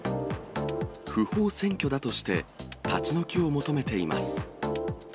不法占拠だとして、立ち退きを求めています。